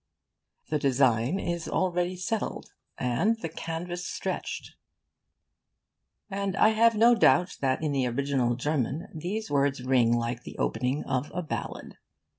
'The design is already settled, and the canvas stretched'; and I have no doubt that in the original German these words ring like the opening of a ballad.